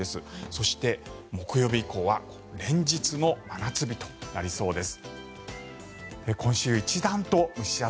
そして、木曜日以降は連日の真夏日となりそうです。